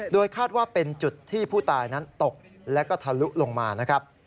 โดยคาดว่าเป็นจุดที่ผู้ตายนั้นตกแล้วก็ทะลุลงมานะครับ